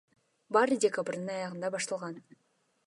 Баары декабрдын аягында башталган.